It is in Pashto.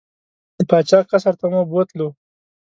د پاچا قصر ته مو بوتلو.